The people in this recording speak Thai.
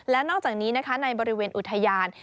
และนอกจากนี้นะคะในบริเวณอุทยาน